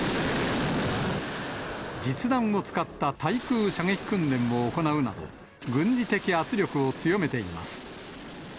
実弾を使った対空射撃訓練を行うなど、軍事的圧力を強めています。